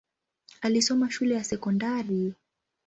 Alisoma shule ya sekondari.